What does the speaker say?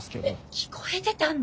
聞こえてたんだ。